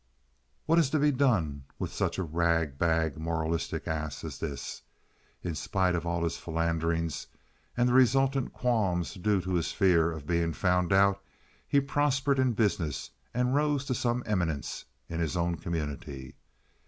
What is to be done with such a rag bag, moralistic ass as this? In spite of all his philanderings, and the resultant qualms due to his fear of being found out, he prospered in business and rose to some eminence in his own community.